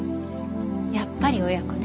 やっぱり親子ね。